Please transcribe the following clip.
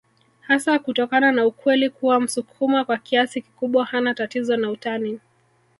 Hasa kutokana na ukweli kuwa msukuma kwa kiasi kikubwa hana tatizo na utani